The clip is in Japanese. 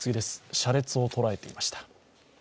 車列を捉えていました。